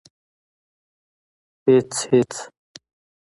_هېڅ ، هېڅ.